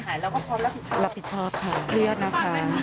แล้วประปริชาติค่ะเครียดนะคะ